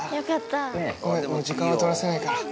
時間は取らせないから。